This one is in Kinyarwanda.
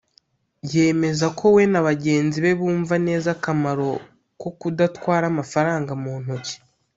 yemeza ko we na bagenzi be bumva neza akamaro ko kudatwara amafaranga mu ntoki